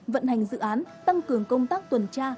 vận hành dự án tăng cường công tác tuần tra